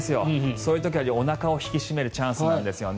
そういう時はおなかを引き締めるチャンスなんですね。